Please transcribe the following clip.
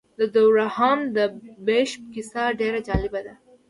د دورهام د بیشپ کیسه ډېره جالبه ده.